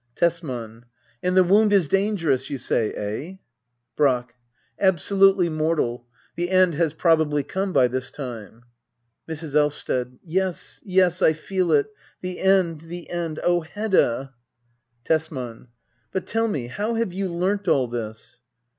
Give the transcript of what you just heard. Tesman. And the wound is dangerous, you say — eh } Brack. Absolutely mortal. The end has probably come by this time. Mrs. Elvsted. Yes, yes, I feel it The end ! The end ! Oh, Hedda ! Tesman. But tell me, how have you learnt all this ?